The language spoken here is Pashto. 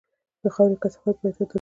د خاورې کثافت باید اندازه شي